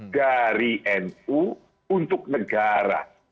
dari nu untuk negara